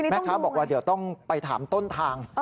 แม่ค้าบอกว่าเดี๋ยวต้องไปถามต้นทาง